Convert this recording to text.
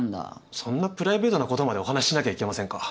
そんなプライベートなことまでお話ししなきゃいけませんか？